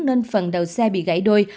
nên phần đầu xe bị gãy đôi